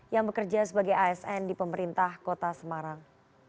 yang bekerja sebagai asn di pemerintah kota semarang